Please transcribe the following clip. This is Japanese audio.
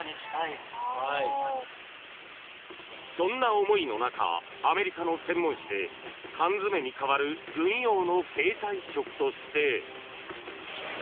［そんな思いの中アメリカの専門誌で缶詰に代わる軍用の携帯食として］